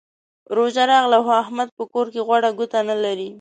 روژه راغله؛ خو احمد په کور کې غوړه ګوته نه لري.